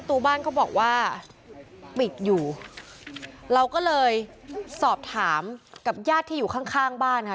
ตัวบ้านเขาบอกว่าปิดอยู่เราก็เลยสอบถามกับญาติที่อยู่ข้างข้างบ้านค่ะ